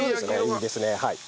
いいですねはい。